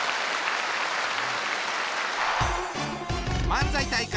漫才大会